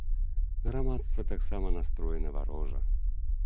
Грамадства таксама настроена варожа.